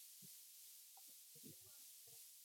氯苯乙酮很容易在市面上买到。